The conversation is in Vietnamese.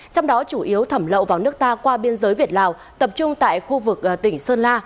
trong đó chủ yếu thẩm lậu vào nước ta qua biên giới việt lào tập trung tại khu vực tỉnh sơn la